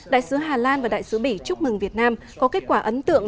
đại sứ hà lan và đại sứ bỉ chúc mừng việt nam có kết quả ấn tượng